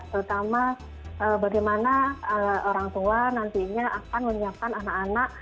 terutama bagaimana orang tua nantinya akan menyiapkan anak anak